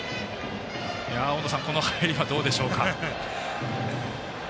大野さん、この入りはどうしょうか。